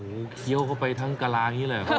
เหลือเขี้ยวเข้าไปทั้งกระล่างนี้แหละ